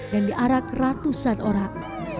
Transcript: dan diarak ratusan orang